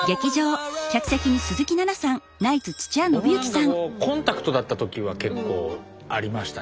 僕なんかコンタクトだった時は結構ありましたね。